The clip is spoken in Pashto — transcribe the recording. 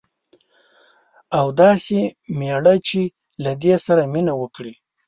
او داسي میړه چې له دې سره مینه وکړي